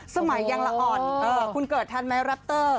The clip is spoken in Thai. สมัยยังละอ่อนคุณเกิดทันไหมแรปเตอร์